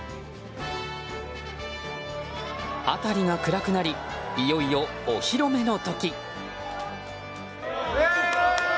辺りが暗くなりいよいよお披露目の時。